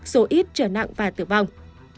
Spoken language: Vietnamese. số ít trở nặng và tử vong